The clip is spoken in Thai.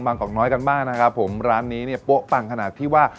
กอกน้อยกันมากนะครับผมร้านนี้เนี่ยโป๊ะปังขนาดที่ว่า